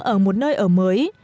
ở một nơi ở mới